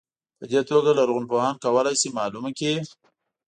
په دې توګه لرغونپوهان کولای شي معلومه کړي.